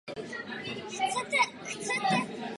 Ve staré japonštině má různé významy.